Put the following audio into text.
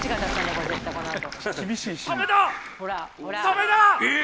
これ絶対このあと。